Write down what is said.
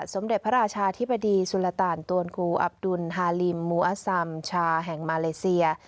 สมเด็จพระราชาธิบดีสุรตานตวนกูอับดุลฮาลิมมูอซัมชาแห่งมาเลเซีย